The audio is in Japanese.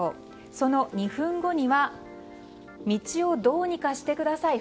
その２分後には道をどうにかしてください。